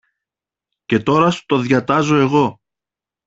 Και τώρα σου το διατάζω εγώ